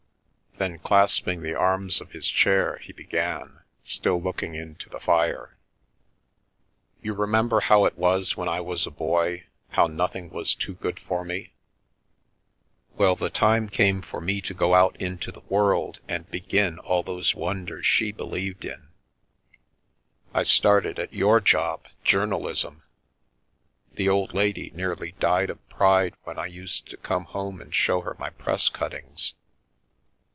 Then, clasp ing the arms of his chair, he began, still looking into the fire. " You remember how it was when I was a boy, how nothing was too good for me ? Well, the time came for me to go out into the world and begin all those wonders she believed in. I started at your job — journalism. The old lady nearly died of pride when I used to come home and show her my press cuttings.